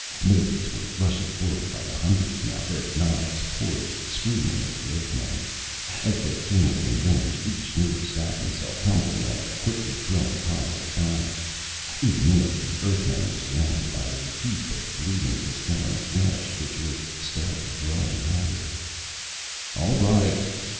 Natives were rushing forward by the hundreds now, their knives poised, screaming at the Earthmen. As they came within range, each native stabbed himself, tumbling on a quickly growing pile of bodies. In minutes the Earthmen were surrounded by a heap of bleeding Cascellan flesh, which was steadily growing higher. "All right!"